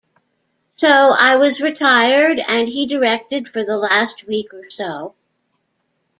So I was retired and he directed for the last week or so.